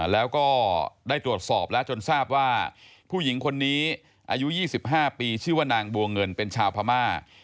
แล้วก็ได้ตรวจสอบแล้วจนทราบว่าผู้หญิงคนนี้อายุ๒๕ปีชื่อว่านางบัวเงินเป็นชาวพม่า